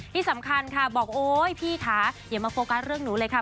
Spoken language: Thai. ที่สำคัญค่ะบอกโอ๊ยพี่ค่ะอย่ามาโฟกัสเรื่องหนูเลยค่ะ